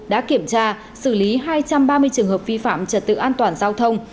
đã kiểm tra xử lý hai trăm ba mươi trường hợp vi phạm trật tự an toàn giao thông